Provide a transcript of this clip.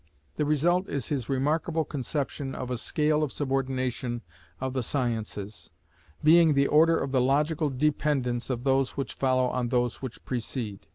The result is his remarkable conception of a scale of subordination of the sciences, being the order of the logical dependence of those which follow on those which precede.